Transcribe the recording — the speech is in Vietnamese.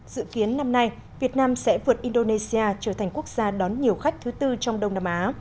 dự kiến năm nay việt nam sẽ vượt indonesia trở thành quốc gia đón nhiều khách thứ tư trong đông nam á